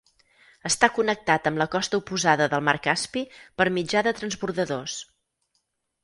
Està connectat amb la costa oposada del mar Caspi per mitjà de transbordadors.